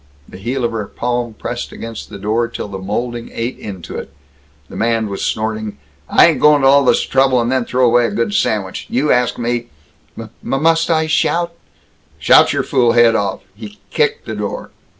The heel of her palm pressed against the door till the molding ate into it. The man was snorting: "I ain't going to all this trouble and then throw away a good sandwich. You asked me " "M must I s shout?" "S shout your fool head off!" He kicked the door.